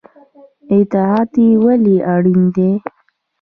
اطاعت ولې اړین دی؟